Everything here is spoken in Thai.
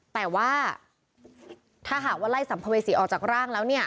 แต่ว่าถ้าหากว่าไล่สัมภเวษีออกจากร่างแล้วเนี่ย